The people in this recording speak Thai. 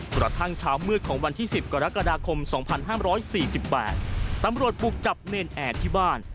กระทั่งเช้ามืดของวันที่๑๐กรกฎาคม๒๕๔๘ตำรวจบุกจับเนรนแอร์ที่บ้าน